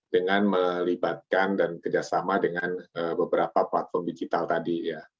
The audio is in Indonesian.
dengan melibatkan dan kerjasama dengan beberapa platform digital tadi ya